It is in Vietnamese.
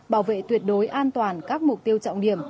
bảo vệ tuyệt đối an toàn các mục tiêu trọng điểm